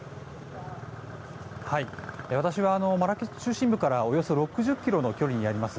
私はマラケシュ中心部からおよそ６０ｋｍの距離にあります